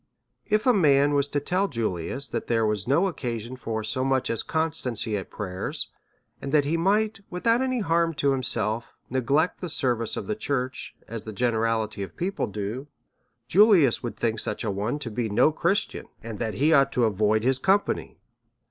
If a man was to tell Julius that there was no occa sion for so much constancy at prayers^ and that he might without any harm to himself, neglect the service of the churchy as the generality of people do^ Julius would think such a one to be no Christian, and that he ought to avoid his company.